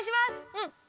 うん。